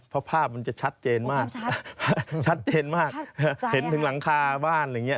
เพราะภาพมันจะชัดเจนมากชัดเจนมากเห็นถึงหลังคาบ้านอะไรอย่างนี้